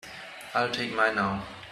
I'll take mine now.